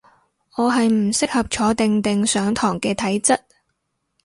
我係唔適合坐定定上堂嘅體質